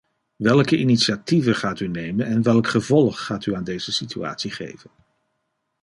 Welke initiatieven gaat u nemen en welk gevolg gaat u aan deze situatie geven?